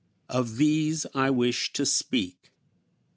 Of these I wish to speak.